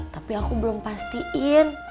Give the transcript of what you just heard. tapi aku belom pastiin